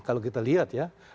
kalau kita lihat ya